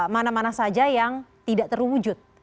mana mana saja yang tidak terwujud